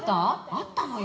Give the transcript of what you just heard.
あったのよ。